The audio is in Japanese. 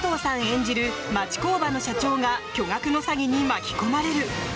演じる町工場の社長が巨額の詐欺に巻き込まれる！